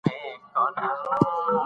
- هنري مونټګومري :